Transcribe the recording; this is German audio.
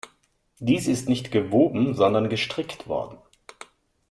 Dies ist nicht gewoben, sondern gestrickt worden.